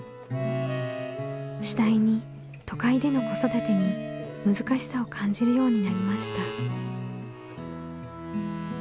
次第に都会での子育てに難しさを感じるようになりました。